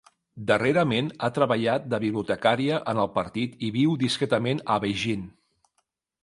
Darrerament ha treballat de bibliotecària en el partit i viu discretament a Beijing.